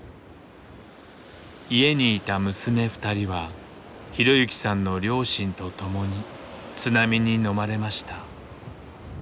家にいた娘２人は浩行さんの両親と共に津波にのまれました。